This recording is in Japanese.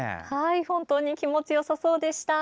本当に気持ちよさそうでした。